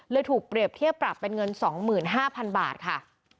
ถูกเปรียบเทียบปรับเป็นเงิน๒๕๐๐๐บาทค่ะ